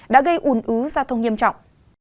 đã gây ủn ứ giao thông nghiêm trọng